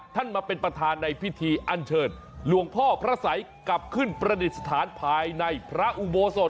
ท่านมาเป็นประธานในพิธีอันเชิญหลวงพ่อพระสัยกลับขึ้นประดิษฐานภายในพระอุโบสถ